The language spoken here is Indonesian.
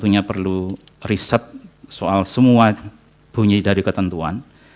dia punya perlu riset soal semua punya dari ketentuan